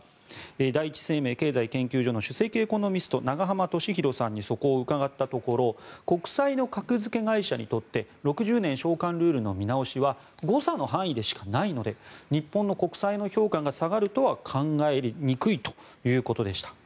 第一生命経済研究所の首席エコノミスト永濱利廣さんにそこを伺ったところ国債の格付け会社にとって６０年償還ルールの見直しは誤差の範囲でしかないので日本の国債の評価が下がるとは考えにくいということでした。